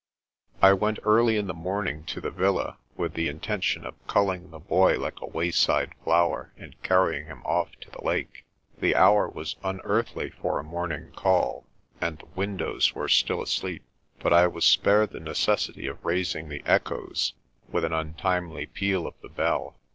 I WENT early in the morning to the villa with the intention of culling the Boy like a wayside flower, and carrying. him off to the lake. The hour was unearthly for a morning call, and the windows were still asleep, but I was spared the necessity of raising the echoes with an untimely peal of the bell.